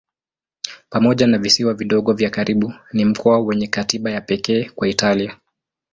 Pamoja na visiwa vidogo vya karibu ni mkoa wenye katiba ya pekee wa Italia.